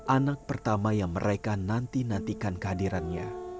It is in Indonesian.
anak pertama yang mereka nanti nantikan kehadirannya